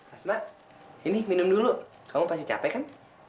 asma ini minum dulu kamu pasti capek kan